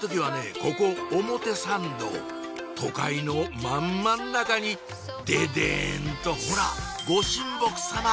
ここ表参道都会の真ん真ん中にデデンとほら御神木さま